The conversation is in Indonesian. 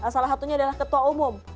salah satunya adalah ketua umum